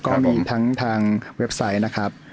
ก็มีทั้งทางเว็บไซต์นะครับ